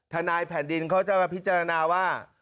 นายแผ่นดินเขาจะมาพิจารณาว่า